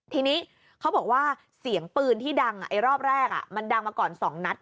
ทีนี้เขาบอกว่าเสียงปืนที่ดังรอบแรกมันดังมาก่อน๒นัด